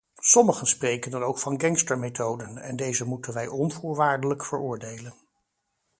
Sommigen spreken dan ook van gangstermethoden, en deze moeten wij onvoorwaardelijk veroordelen.